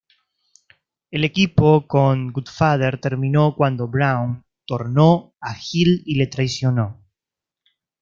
El equipo con Godfather terminó cuando Brown tornó a heel y le traicionó.